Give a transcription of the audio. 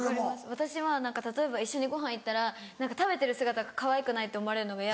私は例えば一緒にごはん行ったら食べてる姿がかわいくないって思われるのが嫌で。